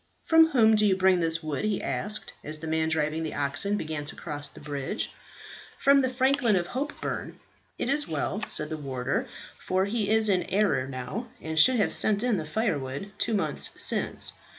"From whom do you bring this wood?" he asked, as the man driving the oxen began to cross the bridge. "From the franklin of Hopeburn." "It is well," said the warder, "for he is in arrear now, and should have sent in the firewood two months since.